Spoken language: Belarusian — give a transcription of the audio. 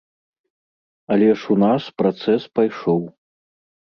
Але ж у нас працэс пайшоў.